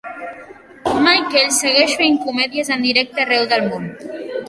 Michael segueix fent comèdies en directe arreu del món.